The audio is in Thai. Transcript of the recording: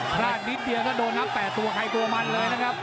พราะนิดเดียวก็โดนนับ๘ตัวไคร่กว่ามันเลยนะครับ